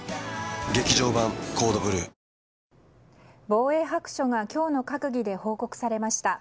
「防衛白書」が今日の閣議で報告されました。